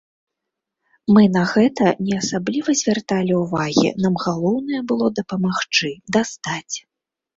Мы на гэта не асабліва звярталі ўвагі, нам галоўнае было дапамагчы, дастаць.